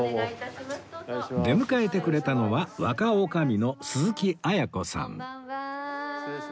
出迎えてくれたのは若女将の鈴木文子さん